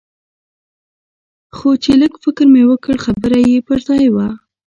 خو چې لږ فکر مې وکړ خبره يې پر ځاى وه.